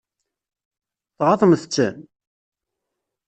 Tɣaḍemt-ten?